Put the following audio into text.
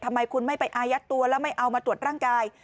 ทำไมคุณไม่ไปอายัดตัวแล้วไม่เอามาตรวจร่างกาย